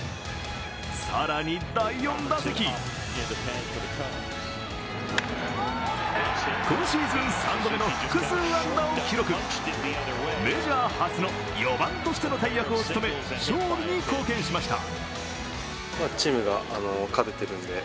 更に第４打席今シーズン３度目の複数安打を記録メジャー初の４番としての大役を務め、勝利に貢献しました。